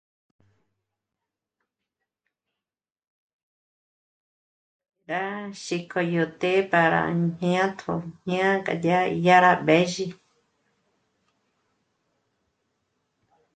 Gà xí ko yo te pā́rā jñā̂tjo ñā̂ k'a dya í ya rá b'ézhi